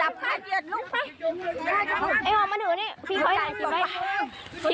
ไนกุกปายมาเดี๋ยวหน่อย